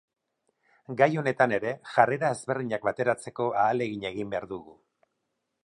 Gai honetan ere jarrera ezberdinak bateratzeko ahalegina egin behar dugu.